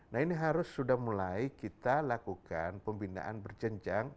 nah ini harus sudah mulai kita lakukan pembinaan berjenjang